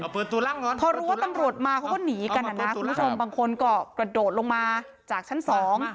พอรู้ว่าตำรวจมาเขาก็หนีกันอ่ะนะคุณผู้ชมบางคนก็กระโดดลงมาจากชั้นสอง